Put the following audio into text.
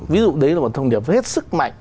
ví dụ đấy là một thông điệp hết sức mạnh